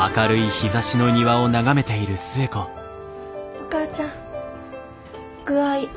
お母ちゃん具合どう？